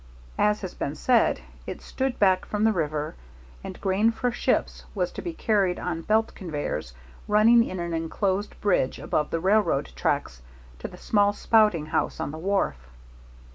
As has been said, it stood back from the river, and grain for ships was to be carried on belt conveyors running in an inclosed bridge above the railroad tracks to the small spouting house on the wharf.